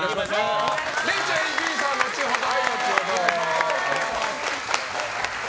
れいちゃん、伊集院さんは後ほど。